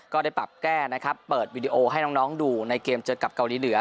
ก็ได้ปรับแก้นะครับเปิดวิดีโอให้น้องดูในเกมเจอกับเกาหลีเหนือ